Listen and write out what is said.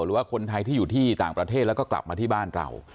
หรือว่าคนไทยที่อยู่ที่ต่างประเทศแล้วก็กลับมาที่บ้านเรา